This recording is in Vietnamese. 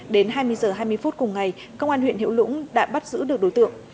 đến hai mươi h hai mươi phút cùng ngày công an huyện hiệu lũng đã bắt giữ được đối tượng